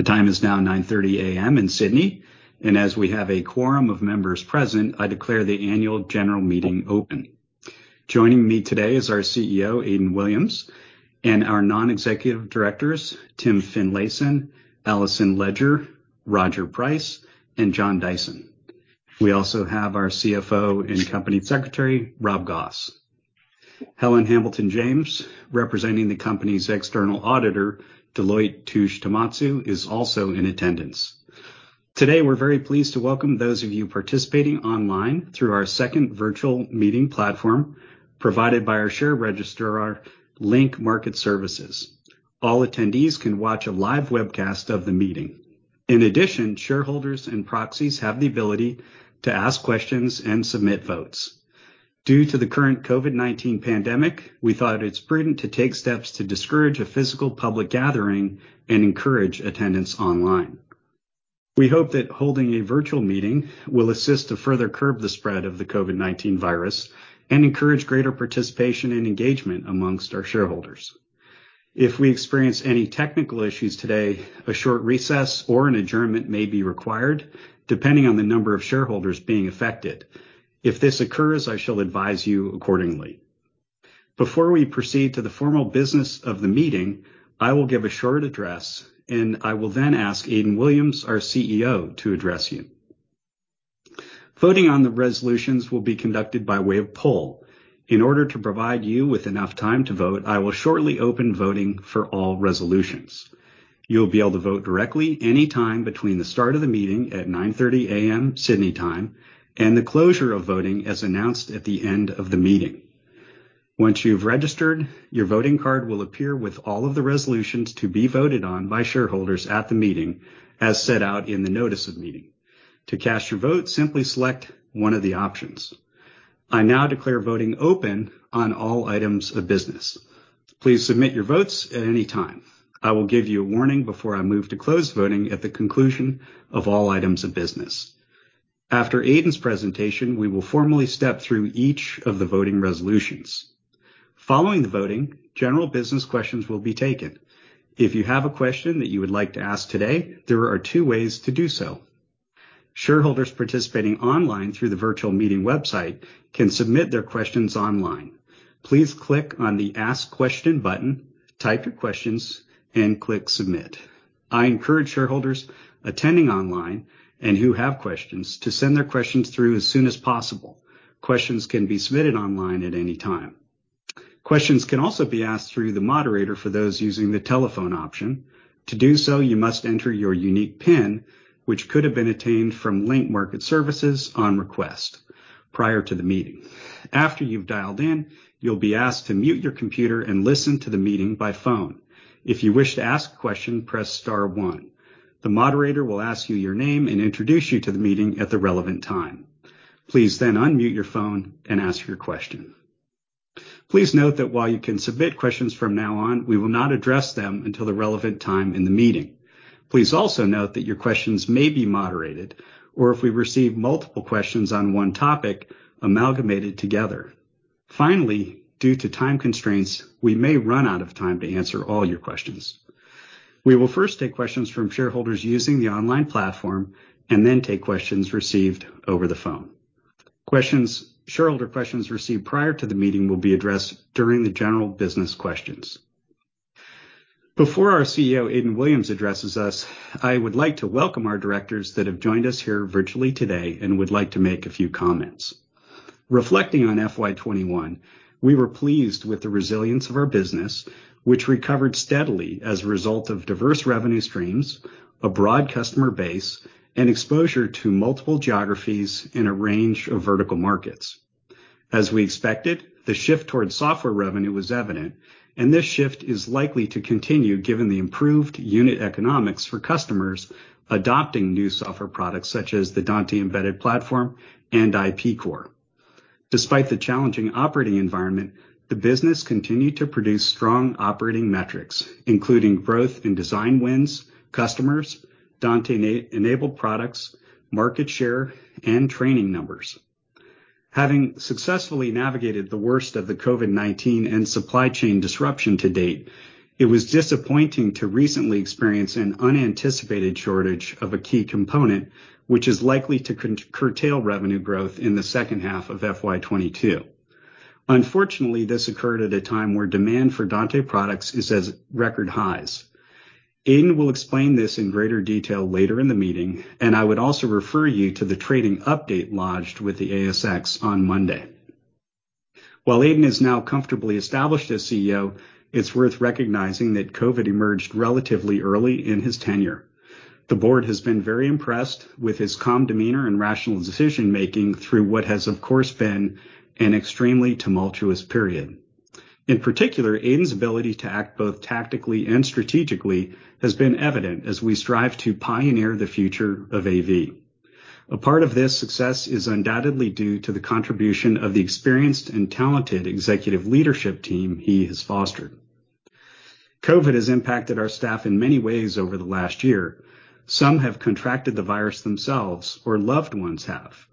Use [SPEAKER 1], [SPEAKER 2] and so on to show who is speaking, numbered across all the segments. [SPEAKER 1] The time is now 9:30 A.M. in Sydney. As we have a quorum of members present, I declare the annual general meeting open. Joining me today is our CEO, Aidan Williams, and our Non-Executive Directors, Tim Finlayson, Alison Ledger, Roger Price, and John Dyson. We also have our CFO and Company Secretary, Rob Goss. Helen Hamilton-James, representing the company's External Auditor, Deloitte Touche Tohmatsu, is also in attendance. Today, we're very pleased to welcome those of you participating online through our second virtual meeting platform provided by our share registrar, Link Market Services. All attendees can watch a live webcast of the meeting. In addition, shareholders and proxies have the ability to ask questions and submit votes. Due to the current COVID-19 pandemic, we thought it's prudent to take steps to discourage a physical public gathering and encourage attendance online. We hope that holding a virtual meeting will assist to further curb the spread of the COVID-19 virus and encourage greater participation and engagement amongst our shareholders. If we experience any technical issues today, a short recess or an adjournment may be required, depending on the number of shareholders being affected. If this occurs, I shall advise you accordingly. Before we proceed to the formal business of the meeting, I will give a short address, and I will then ask Aidan Williams, our CEO, to address you. Voting on the resolutions will be conducted by way of poll. In order to provide you with enough time to vote, I will shortly open voting for all resolutions. You'll be able to vote directly any time between the start of the meeting at 9:30 A.M. Sydney time, and the closure of voting, as announced at the end of the meeting. Once you've registered, your voting card will appear with all of the resolutions to be voted on by shareholders at the meeting, as set out in the notice of meeting. To cast your vote, simply select one of the options. I now declare voting open on all items of business. Please submit your votes at any time. I will give you a warning before I move to close voting at the conclusion of all items of business. After Aidan's presentation, we will formally step through each of the voting resolutions. Following the voting, general business questions will be taken. If you have a question that you would like to ask today, there are two ways to do so. Shareholders participating online through the virtual meeting website can submit their questions online. Please click on the Ask Question button, type your questions, and click Submit. I encourage shareholders attending online and who have questions to send their questions through as soon as possible. Questions can be submitted online at any time. Questions can also be asked through the moderator for those using the telephone option. To do so, you must enter your unique pin, which could have been attained from Link Market Services on request prior to the meeting. After you've dialed in, you'll be asked to mute your computer and listen to the meeting by phone. If you wish to ask a question, press star one. The moderator will ask you your name and introduce you to the meeting at the relevant time. Please then unmute your phone and ask your question. Please note that while you can submit questions from now on, we will not address them until the relevant time in the meeting. Please also note that your questions may be moderated, or if we receive multiple questions on one topic, amalgamated together. Due to time constraints, we may run out of time to answer all your questions. We will first take questions from shareholders using the online platform, then take questions received over the phone. Shareholder questions received prior to the meeting will be addressed during the general business questions. Before our CEO, Aidan Williams, addresses us, I would like to welcome our directors that have joined us here virtually today and would like to make a few comments. Reflecting on FY 2021, we were pleased with the resilience of our business, which recovered steadily as a result of diverse revenue streams, a broad customer base, and exposure to multiple geographies in a range of vertical markets. As we expected, the shift towards software revenue was evident. This shift is likely to continue given the improved unit economics for customers adopting new software products, such as the Dante Embedded Platform and Dante IP Core. Despite the challenging operating environment, the business continued to produce strong operating metrics, including growth in design wins, customers, Dante-enabled products, market share, and training numbers. Having successfully navigated the worst of the COVID-19 and supply chain disruption to date, it was disappointing to recently experience an unanticipated shortage of a key component, which is likely to curtail revenue growth in the second half of FY 2022. Unfortunately, this occurred at a time where demand for Dante products is at record highs. Aidan will explain this in greater detail later in the meeting. I would also refer you to the trading update lodged with the ASX on Monday. While Aidan is now comfortably established as CEO, it's worth recognizing that COVID-19 emerged relatively early in his tenure. The board has been very impressed with his calm demeanor and rational decision-making through what has, of course, been an extremely tumultuous period. In particular, Aidan's ability to act both tactically and strategically has been evident as we strive to pioneer the future of AV. A part of this success is undoubtedly due to the contribution of the experienced and talented executive leadership team he has fostered. COVID-19 has impacted our staff in many ways over the last year. Some have contracted the virus themselves or loved ones have.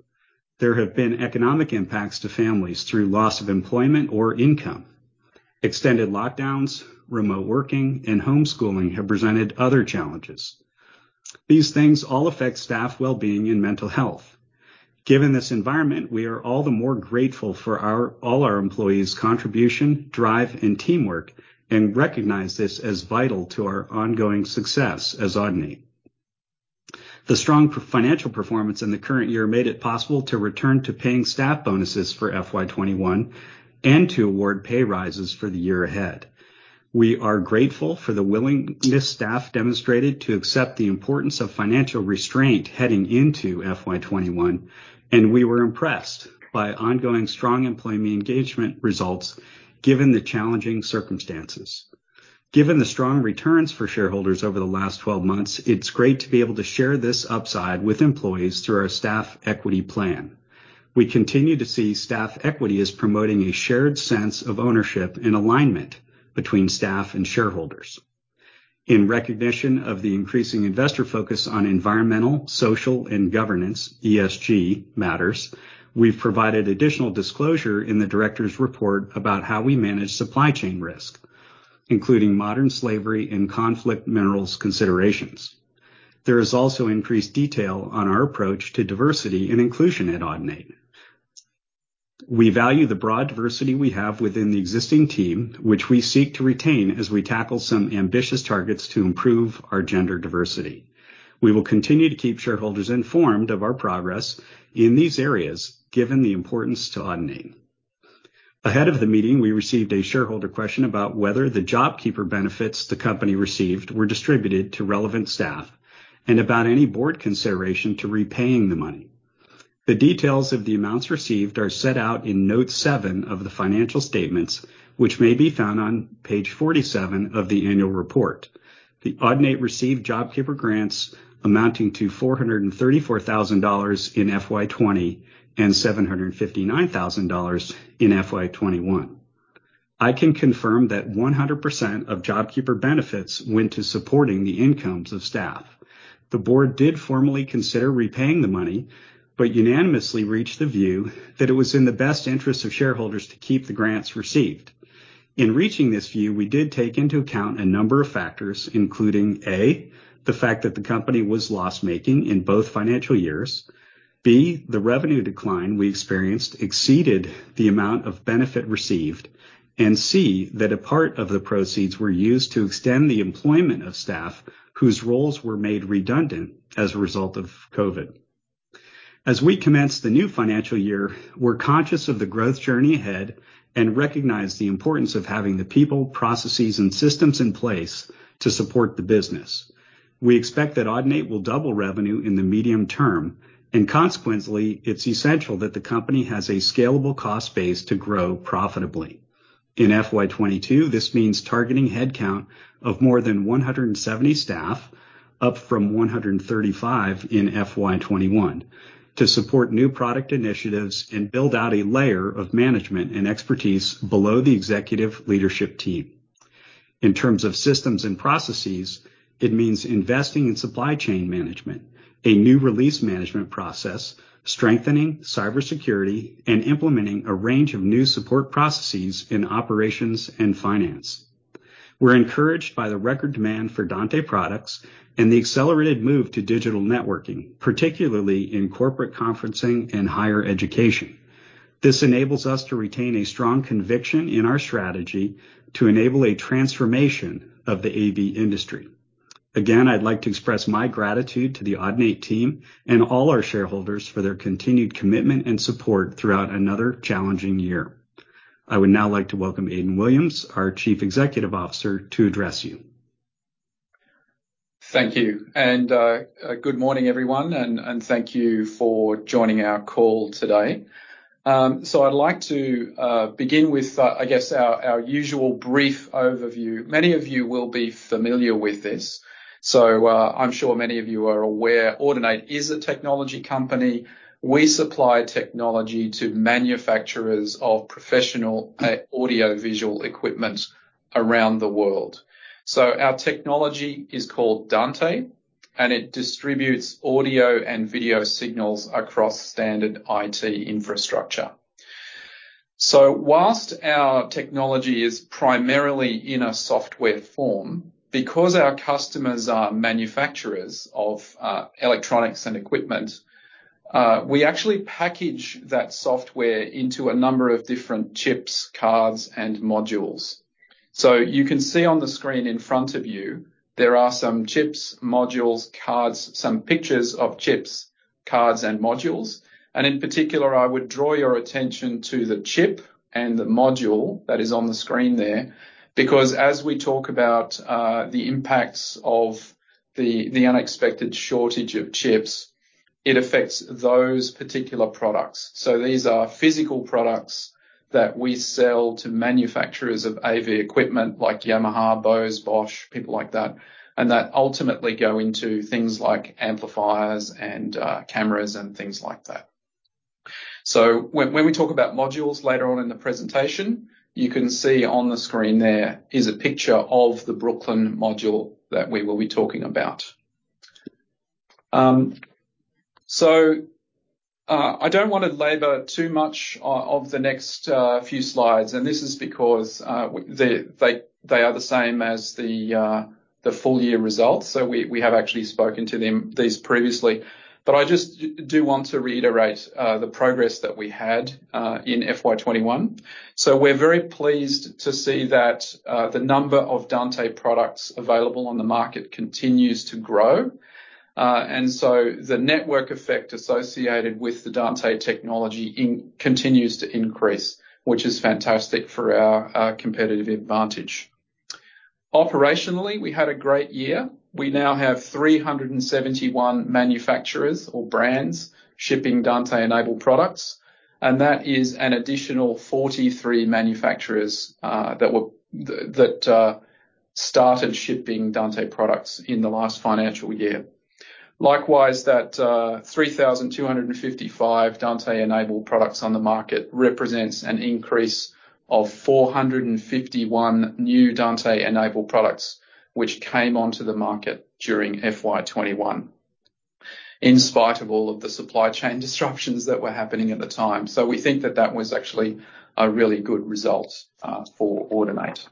[SPEAKER 1] There have been economic impacts to families through loss of employment or income. Extended lockdowns, remote working, and homeschooling have presented other challenges. These things all affect staff wellbeing and mental health. Given this environment, we are all the more grateful for all our employees' contribution, drive, and teamwork, and recognize this as vital to our ongoing success as Audinate. The strong financial performance in the current year made it possible to return to paying staff bonuses for FY 2021 and to award pay rises for the year ahead. We are grateful for the willingness staff demonstrated to accept the importance of financial restraint heading into FY 2021, and we were impressed by ongoing strong employee engagement results given the challenging circumstances. Given the strong returns for shareholders over the last 12 months, it's great to be able to share this upside with employees through our staff equity plan. We continue to see staff equity as promoting a shared sense of ownership and alignment between staff and shareholders. In recognition of the increasing investor focus on environmental, social, and governance, ESG, matters, we've provided additional disclosure in the director's report about how we manage supply chain risk, including modern slavery and conflict minerals considerations. There is also increased detail on our approach to diversity and inclusion at Audinate. We value the broad diversity we have within the existing team, which we seek to retain as we tackle some ambitious targets to improve our gender diversity. We will continue to keep shareholders informed of our progress in these areas, given the importance to Audinate. Ahead of the meeting, we received a shareholder question about whether the JobKeeper benefits the company received were distributed to relevant staff and about any board consideration to repaying the money. The details of the amounts received are set out in Note 7 of the financial statements, which may be found on page 47 of the annual report. Audinate received JobKeeper grants amounting to 434,000 dollars in FY 2020 and 759,000 dollars in FY 2021. I can confirm that 100% of JobKeeper benefits went to supporting the incomes of staff. The Board did formally consider repaying the money but unanimously reached the view that it was in the best interest of shareholders to keep the grants received. In reaching this view, we did take into account a number of factors, including, A, the fact that the company was loss-making in both financial years, B, the revenue decline we experienced exceeded the amount of benefit received, and C, that a part of the proceeds were used to extend the employment of staff whose roles were made redundant as a result of COVID. As we commence the new financial year, we're conscious of the growth journey ahead and recognize the importance of having the people, processes, and systems in place to support the business. We expect that Audinate will double revenue in the medium term, and consequently, it's essential that the company has a scalable cost base to grow profitably. In FY 2022, this means targeting headcount of more than 170 staff, up from 135 in FY 2021, to support new product initiatives and build out a layer of management and expertise below the executive leadership team. In terms of systems and processes, it means investing in supply chain management, a new release management process, strengthening cybersecurity, and implementing a range of new support processes in operations and finance. We're encouraged by the record demand for Dante products and the accelerated move to digital networking, particularly in corporate conferencing and higher education. This enables us to retain a strong conviction in our strategy to enable a transformation of the AV industry. Again, I'd like to express my gratitude to the Audinate team and all our shareholders for their continued commitment and support throughout another challenging year. I would now like to welcome Aidan Williams, our Chief Executive Officer, to address you.
[SPEAKER 2] Thank you. Good morning, everyone, and thank you for joining our call today. I'd like to begin with, I guess, our usual brief overview. Many of you will be familiar with this. I'm sure many of you are aware Audinate is a technology company. We supply technology to manufacturers of professional audio-visual equipment around the world. Our technology is called Dante, and it distributes audio and video signals across standard IT infrastructure. Whilst our technology is primarily in a software form, because our customers are manufacturers of electronics and equipment, we actually package that software into a number of different chips, cards, and modules. You can see on the screen in front of you, there are some chips, modules, cards, some pictures of chips, cards, and modules. In particular, I would draw your attention to the chip and the module that is on the screen there, because as we talk about the impacts of the unexpected shortage of chips, it affects those particular products. These are physical products that we sell to manufacturers of AV equipment like Yamaha, Bose, Bosch, people like that, and that ultimately go into things like amplifiers and cameras and things like that. When we talk about modules later on in the presentation, you can see on the screen there is a picture of the Brooklyn module that we will be talking about. I don't want to labor too much of the next few slides, and this is because they are the same as the full year results. We have actually spoken to these previously. I just do want to reiterate the progress that we had in FY 2021. We're very pleased to see that the number of Dante products available on the market continues to grow. The network effect associated with the Dante technology continues to increase, which is fantastic for our competitive advantage. Operationally, we had a great year. We now have 371 manufacturers or brands shipping Dante-enabled products, and that is an additional 43 manufacturers that started shipping Dante products in the last financial year. Likewise, that 3,255 Dante-enabled products on the market represents an increase of 451 new Dante-enabled products which came onto the market during FY 2021, in spite of all of the supply chain disruptions that were happening at the time. We think that that was actually a really good result for Audinate.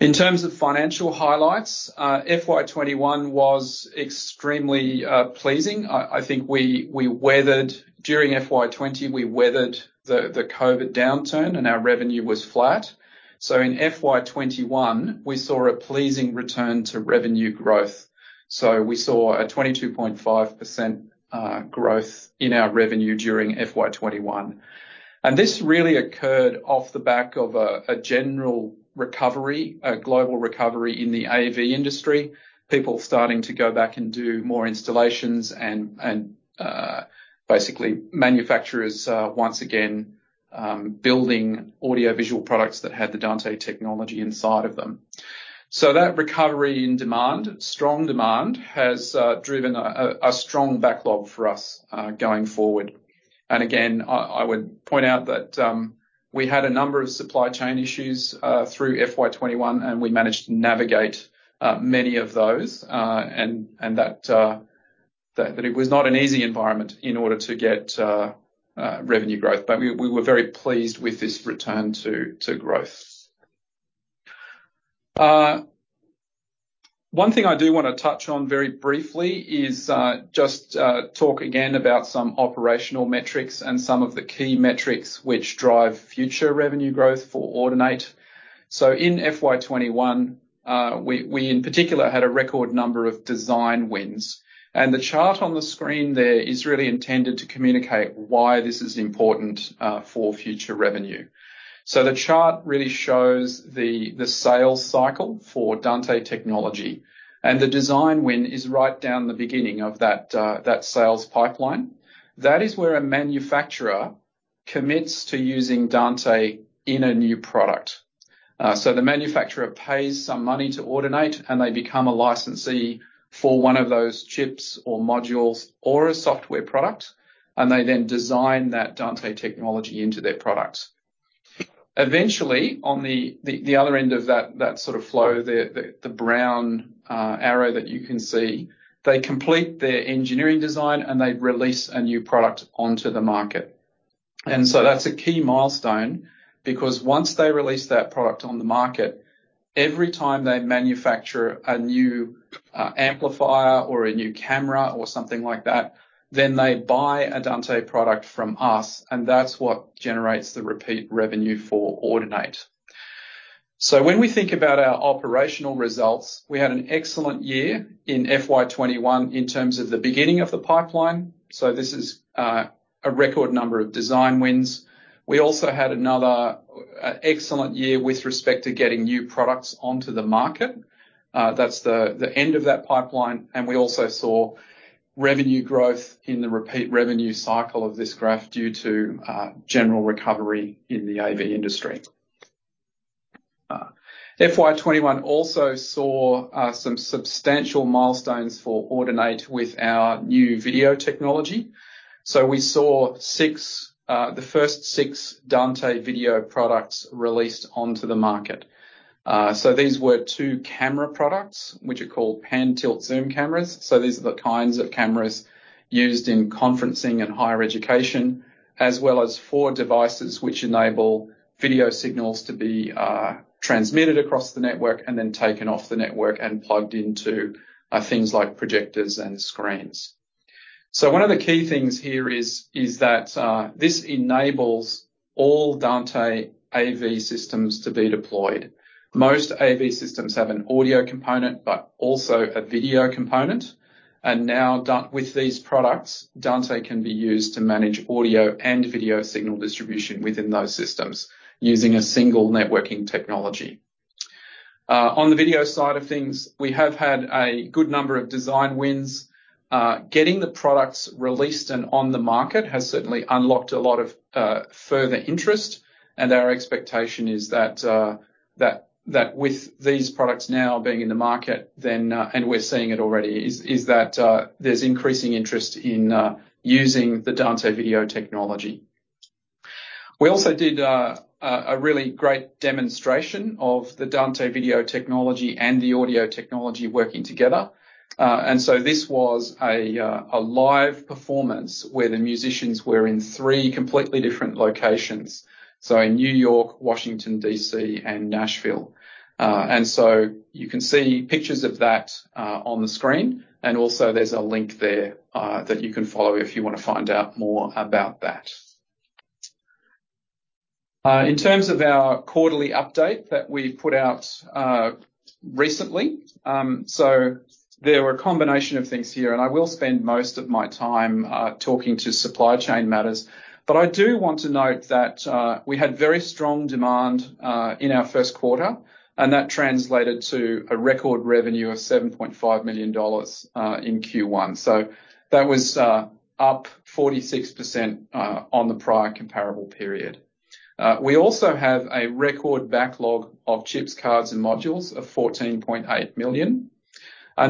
[SPEAKER 2] In terms of financial highlights, FY 2021 was extremely pleasing. I think during FY 2020, we weathered the COVID downturn, and our revenue was flat. In FY 2021, we saw a pleasing return to revenue growth. We saw a 22.5% growth in our revenue during FY 2021, and this really occurred off the back of a general recovery, a global recovery in the AV industry. People starting to go back and do more installations and basically manufacturers once again building audio-visual products that had the Dante technology inside of them. That recovery in demand, strong demand, has driven a strong backlog for us going forward. Again, I would point out that we had a number of supply chain issues through FY 2021, and we managed to navigate many of those, and that it was not an easy environment in order to get revenue growth. We were very pleased with this return to growth. One thing I do want to touch on very briefly is just talk again about some operational metrics and some of the key metrics which drive future revenue growth for Audinate. In FY 2021, we in particular had a record number of design wins, and the chart on the screen there is really intended to communicate why this is important for future revenue. The chart really shows the sales cycle for Dante technology, and the design win is right down the beginning of that sales pipeline. That is where a manufacturer commits to using Dante in a new product. The manufacturer pays some money to Audinate, and they become a licensee for one of those chips or modules or a software product, and they then design that Dante technology into their product. On the other end of that sort of flow, the brown arrow that you can see, they complete their engineering design, they release a new product onto the market. That's a key milestone because once they release that product on the market, every time they manufacture a new amplifier or a new camera or something like that, then they buy a Dante product from us, that's what generates the repeat revenue for Audinate. When we think about our operational results, we had an excellent year in FY 2021 in terms of the beginning of the pipeline. This is a record number of design wins. We also had another excellent year with respect to getting new products onto the market. That's the end of that pipeline. We also saw revenue growth in the repeat revenue cycle of this graph due to general recovery in the AV industry. FY 2021 also saw some substantial milestones for Audinate with our new video technology. We saw the first six Dante video products released onto the market. These were two camera products, which are called pan-tilt-zoom cameras. These are the kinds of cameras used in conferencing and higher education, as well as four devices which enable video signals to be transmitted across the network and then taken off the network and plugged into things like projectors and screens. One of the key things here is that this enables all Dante AV systems to be deployed. Most AV systems have an audio component but also a video component. Now with these products, Dante can be used to manage audio and video signal distribution within those systems using a single networking technology. On the video side of things, we have had a good number of design wins. Getting the products released and on the market has certainly unlocked a lot of further interest and our expectation is that with these products now being in the market then, and we're seeing it already, is that there's increasing interest in using the Dante video technology. We also did a really great demonstration of the Dante video technology and the audio technology working together. This was a live performance where the musicians were in three completely different locations. New York, Washington, D.C., and Nashville. You can see pictures of that on the screen, and also there's a link there that you can follow if you want to find out more about that. In terms of our quarterly update that we put out recently. There were a combination of things here, and I will spend most of my time talking to supply chain matters. I do want to note that we had very strong demand in our first quarter, and that translated to a record revenue of 7.5 million dollars in Q1. That was up 46% on the prior comparable period. We also have a record backlog of chips, cards, and modules of 14.8 million.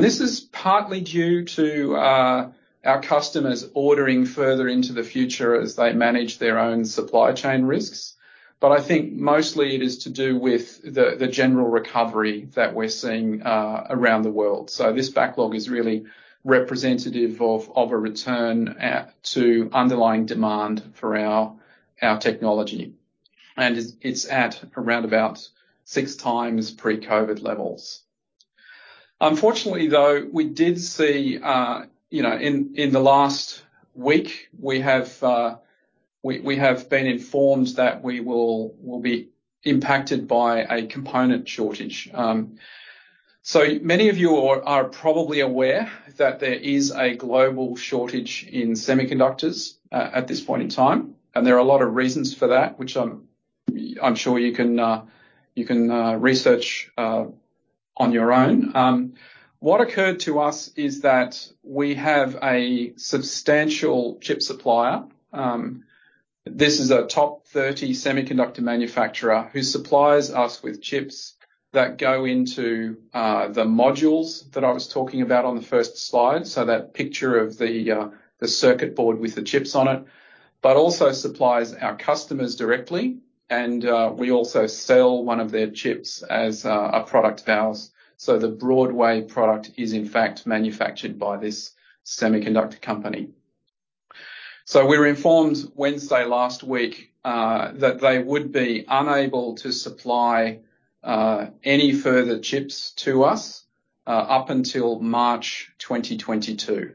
[SPEAKER 2] This is partly due to our customers ordering further into the future as they manage their own supply chain risks. I think mostly it is to do with the general recovery that we're seeing around the world. This backlog is really representative of a return to underlying demand for our technology. It's at around about 6x pre-COVID levels. Unfortunately, though, we did see in the last week, we have been informed that we will be impacted by a component shortage. Many of you are probably aware that there is a global shortage in semiconductors at this point in time, and there are a lot of reasons for that, which I'm sure you can research on your own. What occurred to us is that we have a substantial chip supplier. This is a top 30 semiconductor manufacturer who supplies us with chips that go into the modules that I was talking about on the first slide. That picture of the circuit board with the chips on it. Also supplies our customers directly, and we also sell one of their chips as a product of ours. The Broadway product is in fact manufactured by this semiconductor company. We were informed Wednesday last week that they would be unable to supply any further chips to us up until March 2022.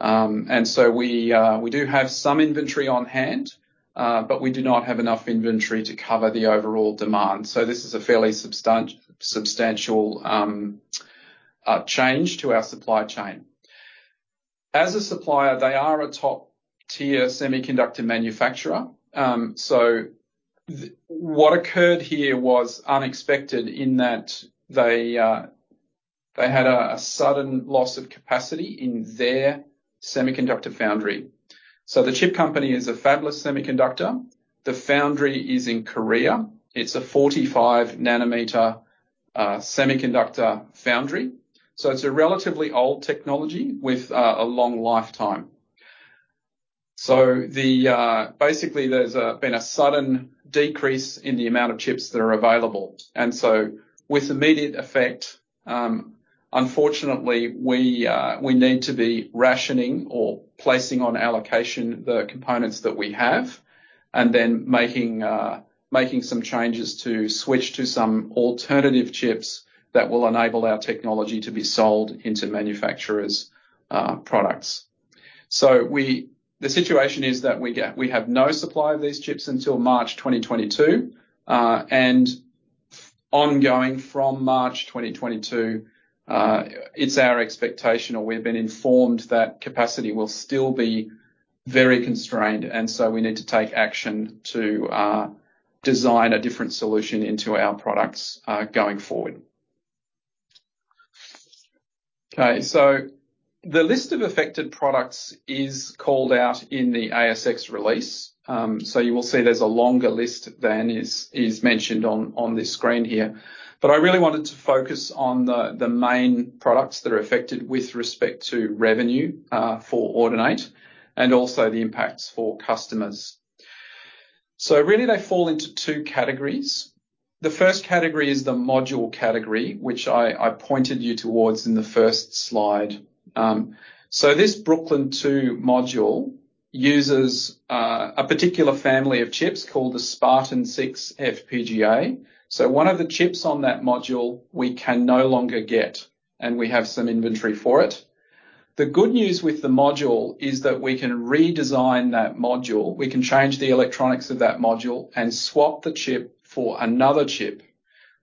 [SPEAKER 2] We do have some inventory on hand, but we do not have enough inventory to cover the overall demand. This is a fairly substantial change to our supply chain. As a supplier, they are a top-tier semiconductor manufacturer. What occurred here was unexpected in that they had a sudden loss of capacity in their semiconductor foundry. The chip company is a fabless semiconductor. The foundry is in Korea. It is a 45-nanometer semiconductor foundry. It's a relatively old technology with a long lifetime. Basically, there's been a sudden decrease in the amount of chips that are available. With immediate effect, unfortunately, we need to be rationing or placing on allocation the components that we have and then making some changes to switch to some alternative chips that will enable our technology to be sold into manufacturers' products. The situation is that we have no supply of these chips until March 2022. Ongoing from March 2022, it's our expectation or we've been informed that capacity will still be very constrained, and so we need to take action to design a different solution into our products going forward. Okay. The list of affected products is called out in the ASX release. You will see there's a longer list than is mentioned on this screen here. I really wanted to focus on the main products that are affected with respect to revenue for Audinate and also the impacts for customers. Really, they fall into two categories. The first category is the module category, which I pointed you towards in the first slide. This Brooklyn II module uses a particular family of chips called the Spartan-6 FPGA. One of the chips on that module we can no longer get, and we have some inventory for it. The good news with the module is that we can redesign that module. We can change the electronics of that module and swap the chip for another chip,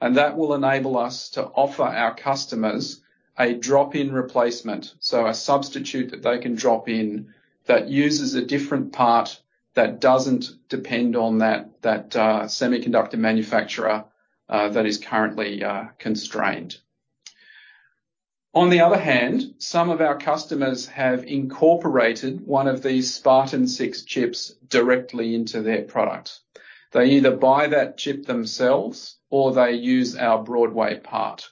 [SPEAKER 2] and that will enable us to offer our customers a drop-in replacement. A substitute that they can drop in that uses a different part that doesn't depend on that semiconductor manufacturer that is currently constrained. On the other hand, some of our customers have incorporated one of these Spartan-6 chips directly into their product. They either buy that chip themselves, or they use our Broadway part.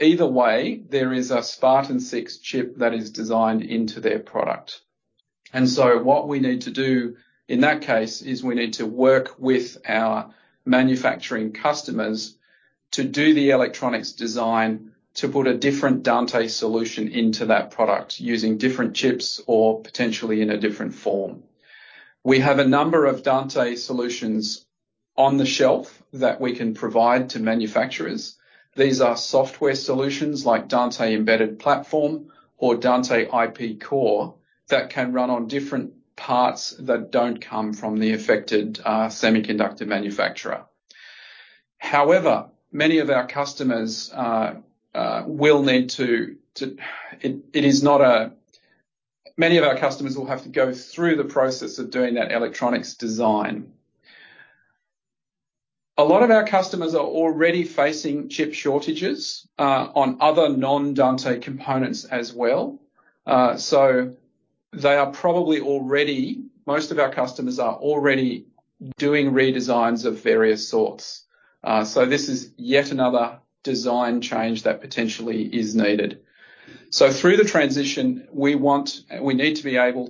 [SPEAKER 2] Either way, there is a Spartan-6 chip that is designed into their product. What we need to do in that case, is we need to work with our manufacturing customers to do the electronics design to put a different Dante solution into that product using different chips or potentially in a different form. We have a number of Dante solutions on the shelf that we can provide to manufacturers. These are software solutions like Dante Embedded Platform or Dante IP Core that can run on different parts that don't come from the affected semiconductor manufacturer. However, many of our customers will have to go through the process of doing that electronics design. A lot of our customers are already facing chip shortages on other non-Dante components as well. Most of our customers are already doing redesigns of various sorts. This is yet another design change that potentially is needed. Through the transition, we need to be able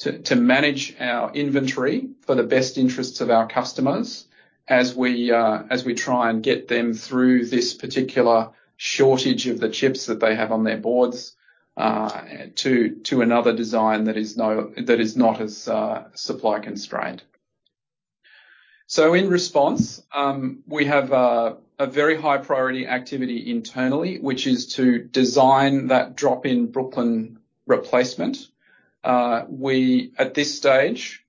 [SPEAKER 2] to manage our inventory for the best interests of our customers as we try and get them through this particular shortage of the chips that they have on their boards to another design that is not as supply constrained. In response, we have a very high priority activity internally, which is to design that drop-in Brooklyn replacement. At this stage,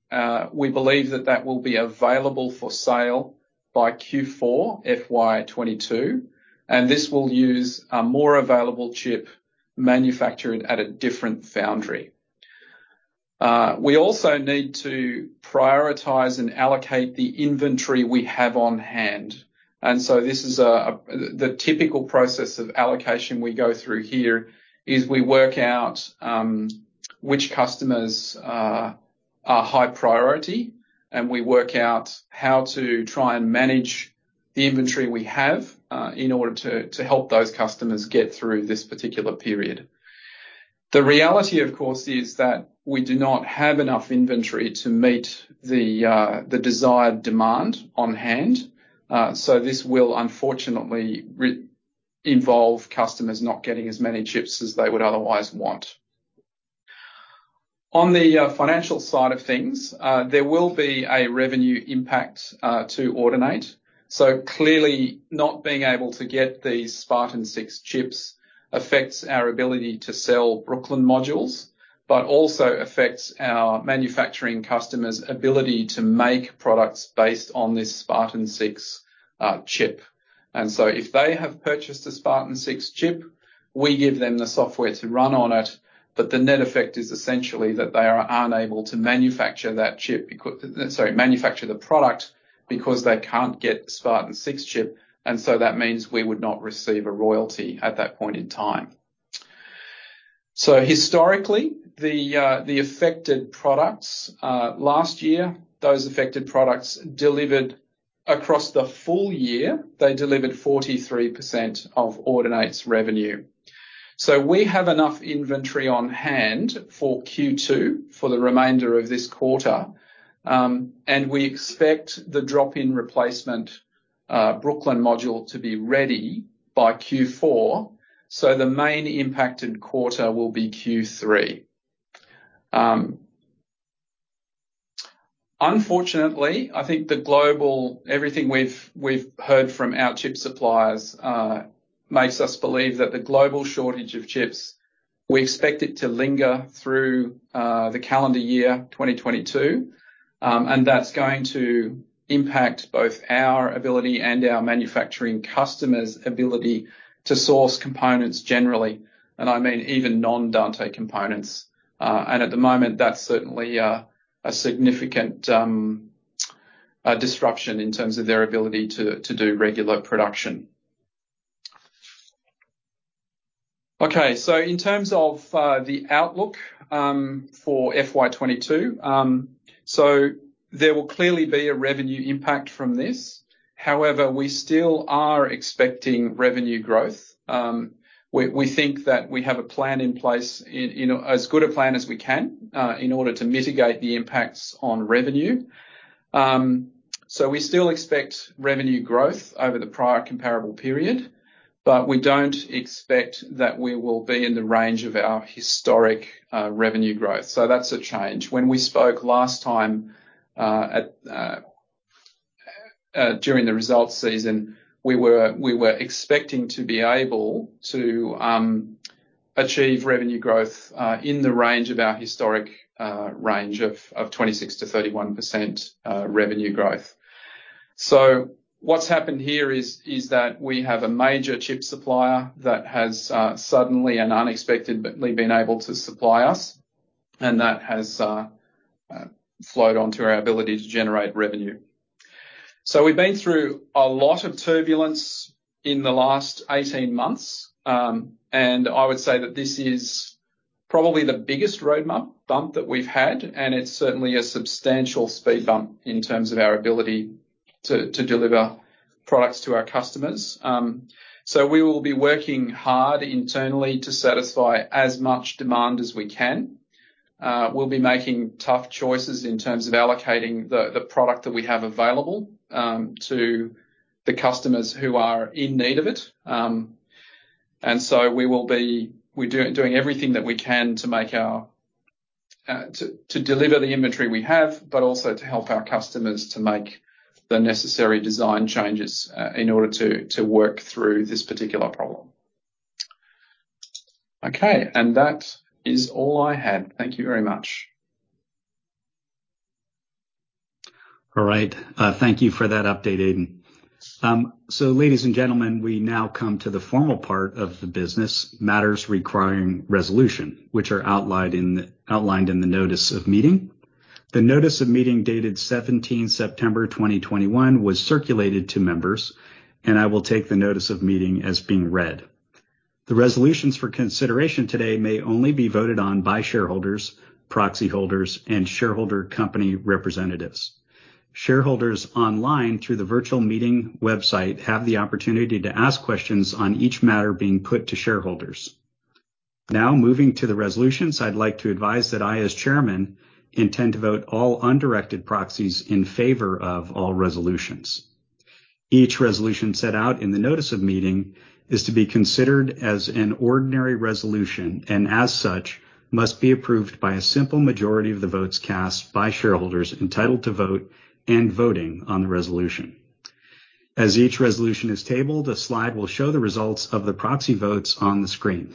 [SPEAKER 2] we believe that that will be available for sale by Q4 FY 2022, and this will use a more available chip manufactured at a different foundry. We also need to prioritize and allocate the inventory we have on hand. The typical process of allocation we go through here is we work out which customers are high priority, and we work out how to try and manage the inventory we have in order to help those customers get through this particular period. The reality, of course, is that we do not have enough inventory to meet the desired demand on hand. This will unfortunately involve customers not getting as many chips as they would otherwise want. On the financial side of things, there will be a revenue impact to Audinate. Clearly, not being able to get these Spartan-6 chips affects our ability to sell Brooklyn modules but also affects our manufacturing customers' ability to make products based on this Spartan-6 chip. If they have purchased a Spartan-6 chip, we give them the software to run on it, but the net effect is essentially that they are unable to manufacture the product because they can't get Spartan-6 chip, that means we would not receive a royalty at that point in time. Historically, the affected products last year, those affected products delivered across the full year, they delivered 43% of Audinate's revenue. We have enough inventory on hand for Q2, for the remainder of this quarter. We expect the drop-in replacement Brooklyn module to be ready by Q4. The main impacted quarter will be Q3. Unfortunately, I think everything we've heard from our chip suppliers makes us believe that the global shortage of chips, we expect it to linger through the calendar year 2022. That's going to impact both our ability and our manufacturing customers' ability to source components generally, and I mean even non-Dante components. At the moment, that's certainly a significant disruption in terms of their ability to do regular production. In terms of the outlook for FY 2022. There will clearly be a revenue impact from this. However, we still are expecting revenue growth. We think that we have a plan in place, as good a plan as we can, in order to mitigate the impacts on revenue. We still expect revenue growth over the prior comparable period, but we don't expect that we will be in the range of our historic revenue growth. Non-Dante that's a change. When we spoke last time during the results season, we were expecting to be able to achieve revenue growth in the range of our historic range of 26%-31% revenue growth. What's happened here is that we have a major chip supplier that has suddenly and unexpectedly been able to supply us, and that has flowed onto our ability to generate revenue. We've been through a lot of turbulence in the last 18 months, and I would say that this is probably the biggest road bump that we've had, and it's certainly a substantial speed bump in terms of our ability to deliver products to our customers. We will be working hard internally to satisfy as much demand as we can. We'll be making tough choices in terms of allocating the product that we have available to the customers who are in need of it. We will be doing everything that we can to deliver the inventory we have, but also to help our customers to make the necessary design changes in order to work through this particular problem. Okay. That is all I had. Thank you very much.
[SPEAKER 1] All right. Thank you for that update, Aidan. Ladies and gentlemen, we now come to the formal part of the business, matters requiring resolution, which are outlined in the notice of meeting. The notice of meeting dated 17 September 2021 was circulated to members. I will take the notice of meeting as being read. The resolutions for consideration today may only be voted on by shareholders, proxy holders, and shareholder company representatives. Shareholders online through the virtual meeting website have the opportunity to ask questions on each matter being put to shareholders. Moving to the resolutions, I'd like to advise that I, as Chairman, intend to vote all undirected proxies in favor of all resolutions. Each resolution set out in the notice of meeting is to be considered as an ordinary resolution, and as such, must be approved by a simple majority of the votes cast by shareholders entitled to vote and voting on the resolution. As each resolution is tabled, a slide will show the results of the proxy votes on the screen.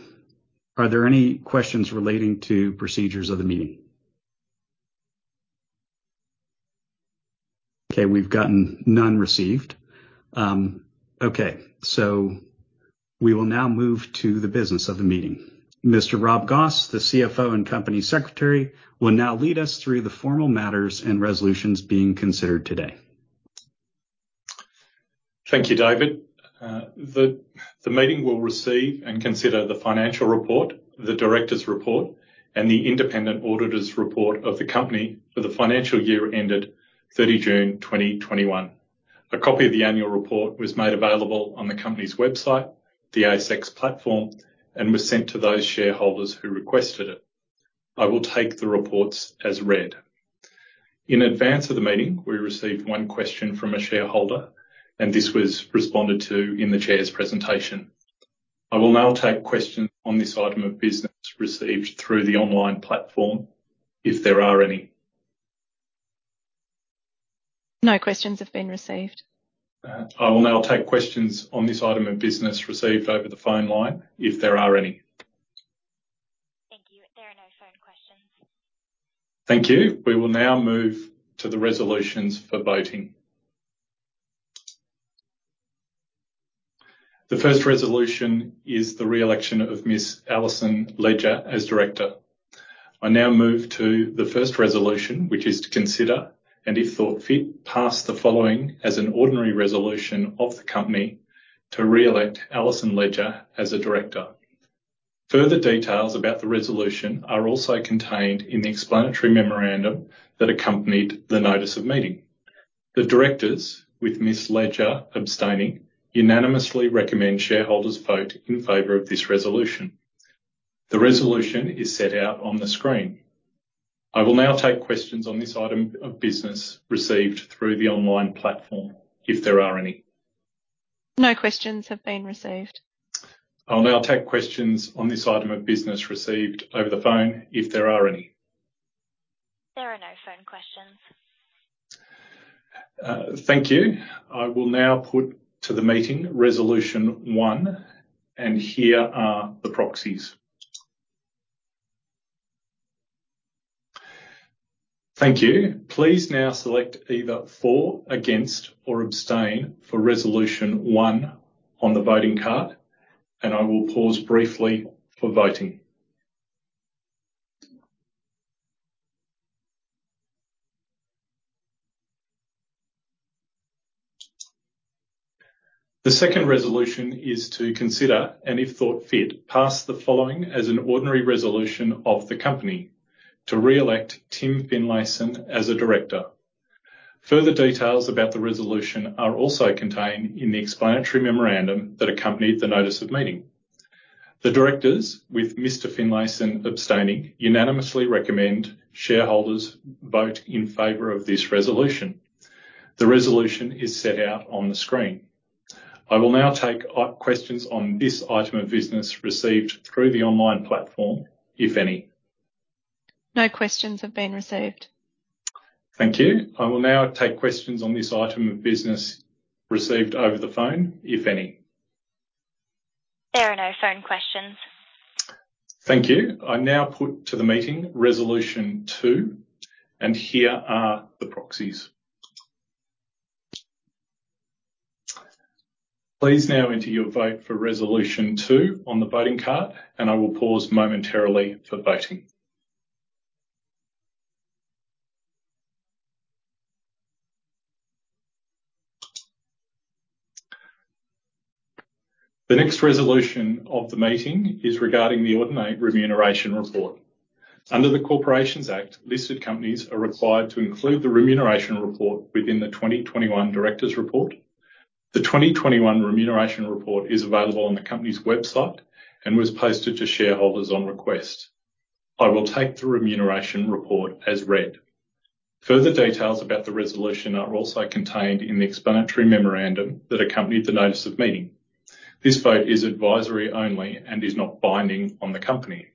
[SPEAKER 1] Are there any questions relating to procedures of the meeting? Okay, we've gotten none received. Okay. We will now move to the business of the meeting. Mr. Rob Goss, the CFO and Company Secretary, will now lead us through the formal matters and resolutions being considered today.
[SPEAKER 3] Thank you, David. The meeting will receive and consider the financial report, the directors' report, and the independent auditor's report of the company for the financial year ended 30 June 2021. A copy of the annual report was made available on the company's website, the ASX platform, and was sent to those shareholders who requested it. I will take the reports as read. In advance of the meeting, we received one question from a shareholder, and this was responded to in the Chair's presentation. I will now take questions on this item of business received through the online platform, if there are any.
[SPEAKER 4] No questions have been received.
[SPEAKER 3] I will now take questions on this item of business received over the phone line, if there are any.
[SPEAKER 4] Thank you. There are no phone questions.
[SPEAKER 3] Thank you. We will now move to the resolutions for voting. The first resolution is the re-election of Ms. Alison Ledger as director. I now move to the first resolution, which is to consider, and if thought fit, pass the following as an ordinary resolution of the company to re-elect Alison Ledger as a director. Further details about the resolution are also contained in the explanatory memorandum that accompanied the notice of meeting. The directors, with Ms. Ledger abstaining, unanimously recommend shareholders vote in favor of this resolution. The resolution is set out on the screen. I will now take questions on this item of business received through the online platform, if there are any.
[SPEAKER 4] No questions have been received.
[SPEAKER 3] I'll now take questions on this item of business received over the phone, if there are any.
[SPEAKER 4] There are no phone questions.
[SPEAKER 3] Thank you. I will now put to the meeting Resolution 1, and here are the proxies. Thank you. Please now select either for, against, or abstain for Resolution 1 on the voting card, and I will pause briefly for voting. The second resolution is to consider, and if thought fit, pass the following as an ordinary resolution of the company: to re-elect Tim Finlayson as a director. Further details about the resolution are also contained in the explanatory memorandum that accompanied the notice of meeting. The directors, with Mr. Finlayson abstaining, unanimously recommend shareholders vote in favor of this resolution. The resolution is set out on the screen. I will now take questions on this item of business received through the online platform, if any.
[SPEAKER 4] No questions have been received.
[SPEAKER 3] Thank you. I will now take questions on this item of business received over the phone, if any.
[SPEAKER 4] There are no phone questions.
[SPEAKER 3] Thank you. I now put to the meeting Resolution 2, and here are the proxies. Please now enter your vote for Resolution 2 on the voting card, and I will pause momentarily for voting. The next resolution of the meeting is regarding the Audinate Remuneration Report. Under the Corporations Act, listed companies are required to include the Remuneration Report within the 2021 Director's Report. The 2021 Remuneration Report is available on the company's website and was posted to shareholders on request. I will take the Remuneration Report as read. Further details about the resolution are also contained in the explanatory memorandum that accompanied the notice of meeting. This vote is advisory only and is not binding on the company.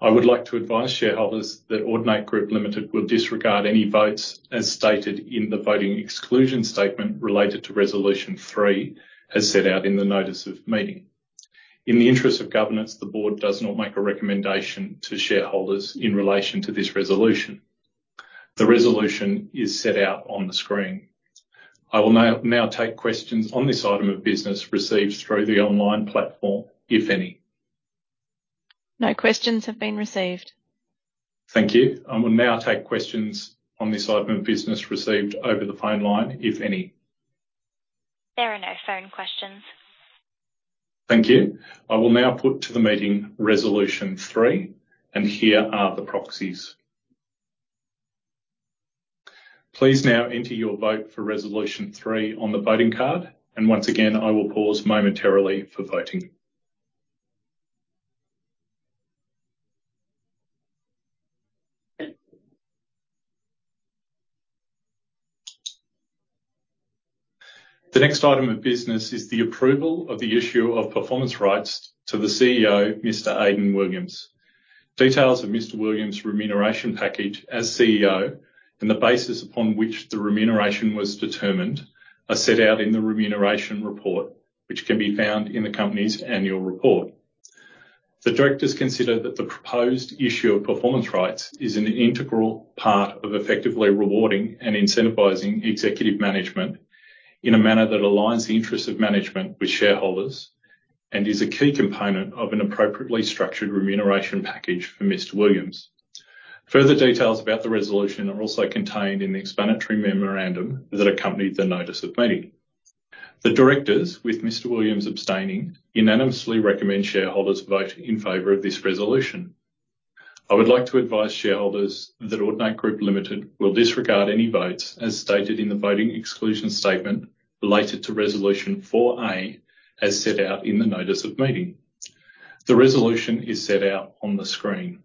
[SPEAKER 3] I would like to advise shareholders that Audinate Group Limited will disregard any votes as stated in the voting exclusion statement related to Resolution 3 as set out in the notice of meeting. In the interest of governance, the Board does not make a recommendation to shareholders in relation to this resolution. The resolution is set out on the screen. I will now take questions on this item of business received through the online platform, if any.
[SPEAKER 4] No questions have been received.
[SPEAKER 3] Thank you. I will now take questions on this item of business received over the phone line, if any.
[SPEAKER 4] There are no phone questions.
[SPEAKER 3] Thank you. I will now put to the meeting Resolution 3, and here are the proxies. Please now enter your vote for Resolution 3 on the voting card, and once again, I will pause momentarily for voting. The next item of business is the approval of the issue of performance rights to the CEO, Mr. Aidan Williams. Details of Mr. Williams' remuneration package as CEO and the basis upon which the remuneration was determined are set out in the remuneration report, which can be found in the company's annual report. The directors consider that the proposed issue of performance rights is an integral part of effectively rewarding and incentivizing executive management in a manner that aligns the interest of management with shareholders and is a key component of an appropriately structured remuneration package for Mr Williams. Further details about the resolution are also contained in the explanatory memorandum that accompanied the notice of meeting. The directors, with Mr. Williams abstaining, unanimously recommend shareholders vote in favor of this resolution. I would like to advise shareholders that Audinate Group Limited will disregard any votes as stated in the voting exclusion statement related to Resolution 4A as set out in the notice of meeting. The resolution is set out on the screen.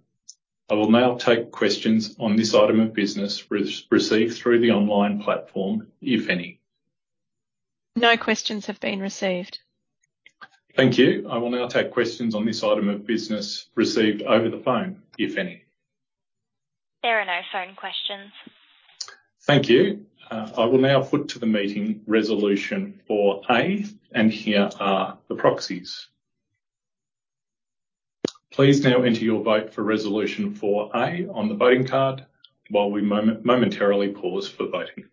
[SPEAKER 3] I will now take questions on this item of business received through the online platform, if any.
[SPEAKER 4] No questions have been received.
[SPEAKER 3] Thank you. I will now take questions on this item of business received over the phone, if any.
[SPEAKER 4] There are no phone questions.
[SPEAKER 3] Thank you. I will now put to the meeting Resolution 4A, and here are the proxies. Please now enter your vote for Resolution 4A on the voting card while we momentarily pause for voting.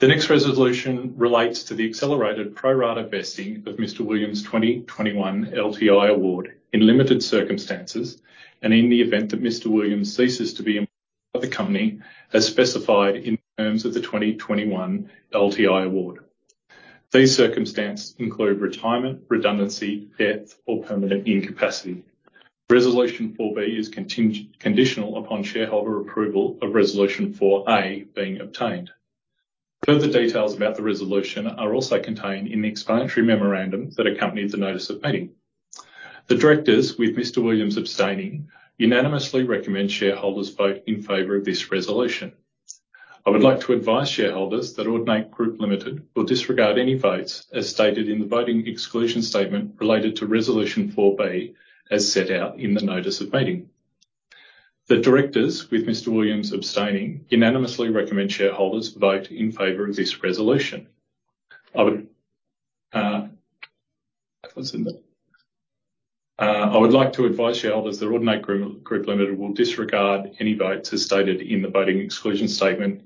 [SPEAKER 3] The next resolution relates to the accelerated pro rata vesting of Mr. Williams' 2021 LTI award in limited circumstances, and in the event that Mr. Williams ceases to be employed by the company as specified in terms of the 2021 LTI award. These circumstances include retirement, redundancy, death or permanent incapacity. Resolution 4B is conditional upon shareholder approval of Resolution 4A being obtained. Further details about the resolution are also contained in the explanatory memorandum that accompanied the notice of meeting. The directors, with Mr. Williams abstaining, unanimously recommend shareholders vote in favor of this resolution. I would like to advise shareholders that Audinate Group Limited will disregard any votes as stated in the voting exclusion statement related to Resolution 4B as set out in the notice of meeting. The directors, with Mr. Williams abstaining, unanimously recommend shareholders vote in favor of this resolution. I would like to advise shareholders that Audinate Group Limited will disregard any votes as stated in the voting exclusion statement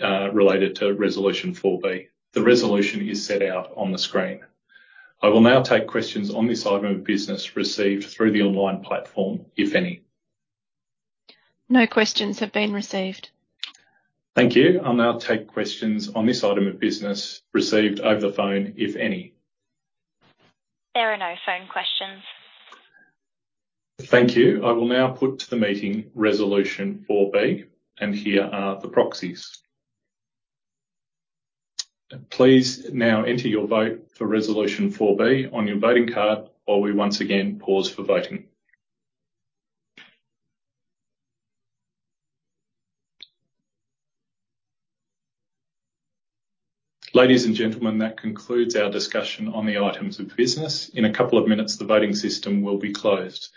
[SPEAKER 3] related to Resolution 4B. The resolution is set out on the screen. I will now take questions on this item of business received through the online platform, if any.
[SPEAKER 4] No questions have been received.
[SPEAKER 3] Thank you. I'll now take questions on this item of business received over the phone, if any.
[SPEAKER 4] There are no phone questions.
[SPEAKER 3] Thank you. I will now put to the meeting Resolution 4B, and here are the proxies. Please now enter your vote for Resolution 4B on your voting card while we once again pause for voting. Ladies and gentlemen, that concludes our discussion on the items of business. In a couple minutes, the voting system will be closed.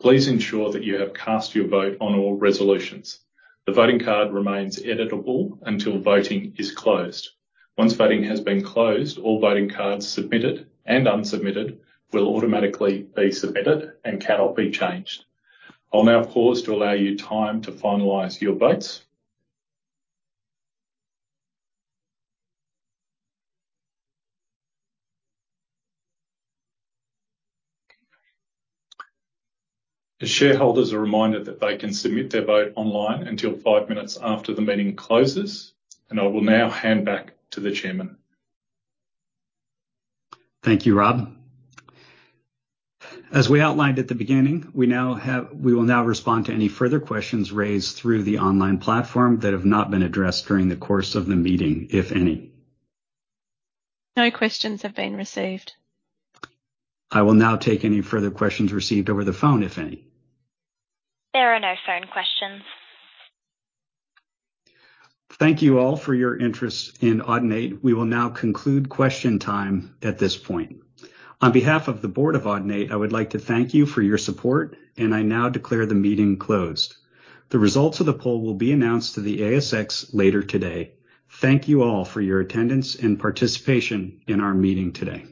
[SPEAKER 3] Please ensure that you have cast your vote on all resolutions. The voting card remains editable until voting is closed. Once voting has been closed, all voting cards submitted and unsubmitted will automatically be submitted and cannot be changed. I'll now pause to allow you time to finalize your votes. The shareholders are reminded that they can submit their vote online until five minutes after the meeting closes. I will now hand back to the Chairman.
[SPEAKER 1] Thank you, Rob. As we outlined at the beginning, we will now respond to any further questions raised through the online platform that have not been addressed during the course of the meeting, if any.
[SPEAKER 4] No questions have been received.
[SPEAKER 1] I will now take any further questions received over the phone, if any.
[SPEAKER 4] There are no phone questions.
[SPEAKER 1] Thank you all for your interest in Audinate. We will now conclude question time at this point. On behalf of the Board of Audinate, I would like to thank you for your support, and I now declare the meeting closed. The results of the poll will be announced to the ASX later today. Thank you all for your attendance and participation in our meeting today.